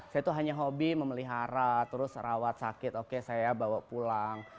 saya itu hanya hobi memelihara terus rawat sakit oke saya bawa pulang